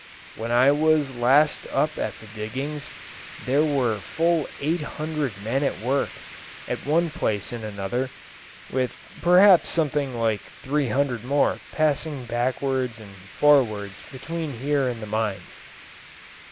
When I was last up at the diggings, there were full eight hundred men at work, at one place and another, with perhaps something like three hundred more passing backwards and forwards between here and the mines.